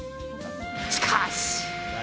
しかし！